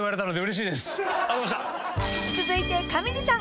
［続いて上地さん］